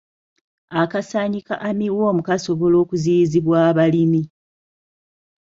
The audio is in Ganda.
Akasaanyi ka armyworm kasobola okuziyizibwa abalimi.